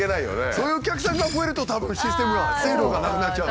そういうお客さんが増えるとたぶんシステムが制度がなくなっちゃう。